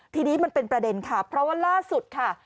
ทีนี้มันเป็นประเด็นค่ะเพราะว่าล่าสุดค่ะ